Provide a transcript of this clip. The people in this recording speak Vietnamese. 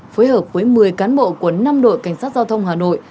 phối hợp với một mươi cán bộ của năm đội cảnh sát giao thông hà nội